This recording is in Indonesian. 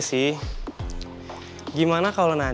beneran gak apa apa